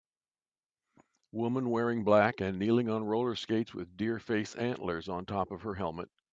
Woman wearing black and kneeling on rollerskates with deer face antlers on top of her helmet.